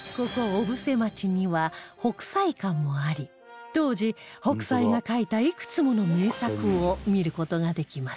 小布施町には北斎館もあり当時北斎が描いたいくつもの名作を見る事ができます